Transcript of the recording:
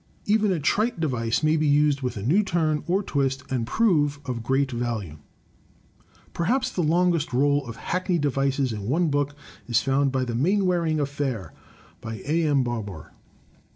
Even a trite device may be used with a new turn or twist and prove of great value. Perhaps the longest roll of hackneyed devices in one book is found in "That Mainwaring Aflfair," by A. M. Barbour.